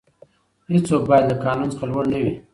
هیڅوک باید له قانون څخه لوړ نه وي.